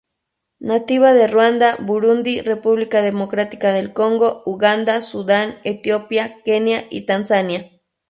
Nativa de Ruanda, Burundi, República Democrática del Congo, Uganda, Sudán, Etiopía, Kenia y Tanzania.